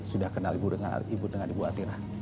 sudah kenal ibu dengan ibu atira